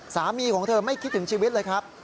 สามีของเธอไม่คิดถึงชีวิตเลยครับ